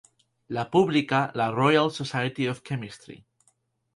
La publica la Royal Society of Chemistry.